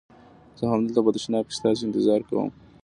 زه همدلته په تشناب کې ستاسي انتظار کوم.